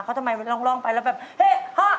เขาทำไมลองไปแล้วแบบเฮ่ฮ่า